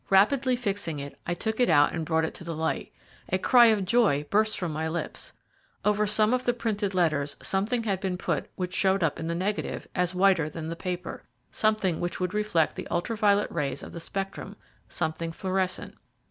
Rapidly fixing it, I took it out and brought it to the light. A cry of joy burst from my lips. Over some of the printed letters something had been put which showed up in the negative, as whiter than the paper, something which would reflect the ultra violet rays of the spectrum something fluorescent.